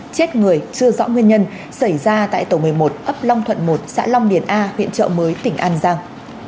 chết người chưa rõ nguyên nhân xảy ra tại tổ một mươi một ấp long thuận một xã long điền a huyện trợ mới tỉnh an giang